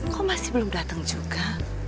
kok masih belum datang juga